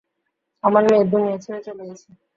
আমার মেয়ে দুনিয়া ছেড়ে চলে গেছে?